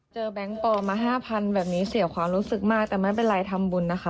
แบงค์ปลอมมา๕๐๐๐แบบนี้เสียความรู้สึกมากแต่ไม่เป็นไรทำบุญนะคะ